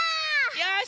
よし！